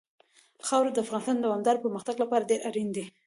خاوره د افغانستان د دوامداره پرمختګ لپاره ډېر اړین دي.